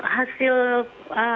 ya sudah tahu